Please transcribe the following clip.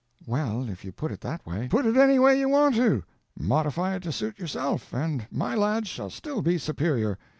"Well, if you put it that way—" "Put it any way you want to. Modify it to suit yourself, and my lads shall still be superior.